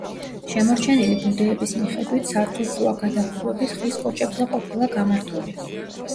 შემორჩენილი ბუდეების მიხედვით, სართულშუა გადახურვები ხის კოჭებზე ყოფილა გამართული.